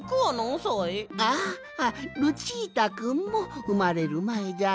ああルチータくんもうまれるまえじゃよ。